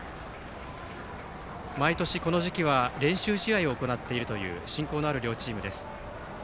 毎年、この時期は練習試合を行っているという親交のある両チームです。